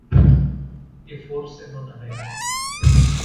E forse non aveva torto.